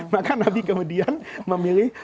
maka nabi kemudian memilih